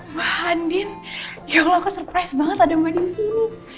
mbak andin ya allah aku surprise banget ada mbak disini